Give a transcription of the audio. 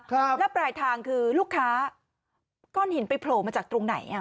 ครับแล้วปลายทางคือลูกค้าก้อนหินไปโผล่มาจากตรงไหนอ่ะ